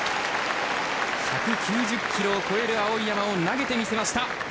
１９０ｋｇを超える碧山を投げてみせました。